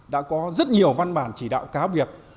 đã có rất nhiều văn bản chỉ đạo cáo việc